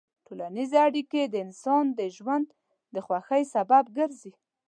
ټولنیز اړیکې د انسان د ژوند د خوښۍ سبب ګرځي.